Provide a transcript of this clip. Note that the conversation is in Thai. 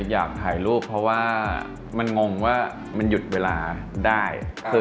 อยากถ่ายรูปเพราะว่ามันงงว่ามันหยุดเวลาได้